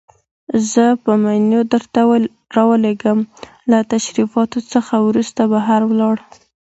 زه به منیو درته راولېږم، له تشریفاتو څخه وروسته بهر ولاړ.